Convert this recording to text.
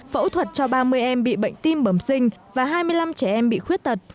phẫu thuật cho ba mươi em bị bệnh tim bẩm sinh và hai mươi năm trẻ em bị khuyết tật